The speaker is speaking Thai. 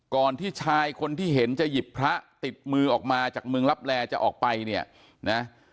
ที่ชายคนที่เห็นจะหยิบพระติดมือออกมาจากเมืองลับแลจะออกไปเนี่ยนะ